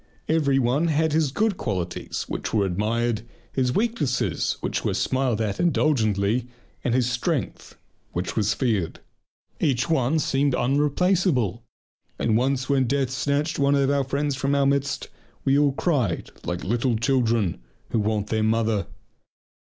Every one had his good qualities which were admired, his weaknesses which were smiled at indulgently, and his strength which was feared. Each one seemed unreplaceable, and once when death snatched one of our friends from our midst we all cried like little children who want their mother.